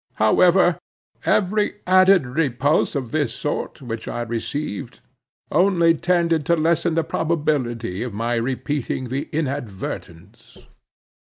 However, every added repulse of this sort which I received only tended to lessen the probability of my repeating the inadvertence.